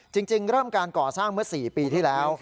จริงเริ่มการก่อสร้างเมื่อ๔ปีที่แล้ว